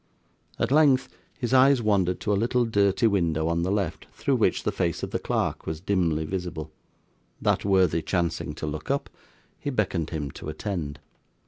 At length, his eyes wandered to a little dirty window on the left, through which the face of the clerk was dimly visible; that worthy chancing to look up, he beckoned him to attend.